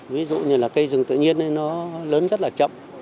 ví dụ như là cây rừng tự nhiên nó lớn rất là chậm